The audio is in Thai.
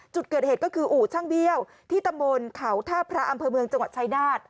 จุดเกิดเหตุก็คืออู่ช่างเบี้ยวที่ตำบลเขาท่าพระอำเภอเมืองจังหวัดชายนาฏ